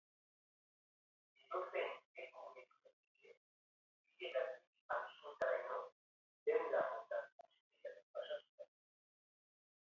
Edozein leku gehitu daiteke, hirietatik auzoetaraino, denda mota guztietatik pasatuta.